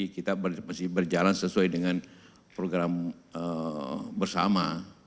kita masih berjalan sesuai dengan program bersama